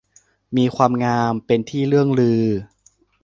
มีความงามเป็นที่เลื่องลือ